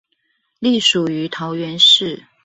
隸屬於桃園市